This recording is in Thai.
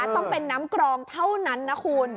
ต้องเป็นน้ำกรองเท่านั้นนะคุณ